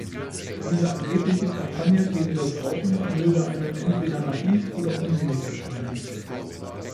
Diese angebliche Kampagne gegen das Rauchen möge einem entweder naiv oder unsinnig erscheinen.